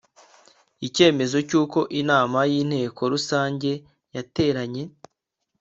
icyemezo cy’uko inama y’inteko rusange yateranye